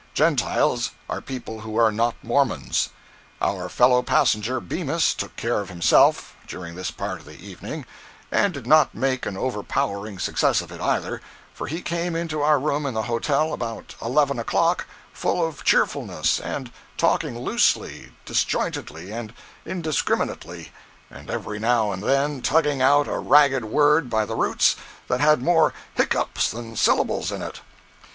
"Gentiles" are people who are not Mormons. Our fellow passenger, Bemis, took care of himself, during this part of the evening, and did not make an overpowering success of it, either, for he came into our room in the hotel about eleven o'clock, full of cheerfulness, and talking loosely, disjointedly and indiscriminately, and every now and then tugging out a ragged word by the roots that had more hiccups than syllables in it.